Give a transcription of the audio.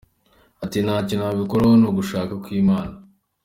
Ati: “Ntacyo nabikoraho, ni ugushaka kw’Imana.